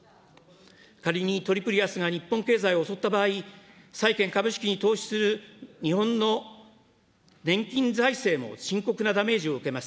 仮にトリプル安が日本経済を襲った場合、債券・株式に投資する日本の年金財政も深刻なダメージを受けます。